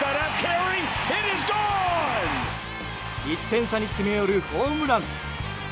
１点差に詰め寄るホームラン。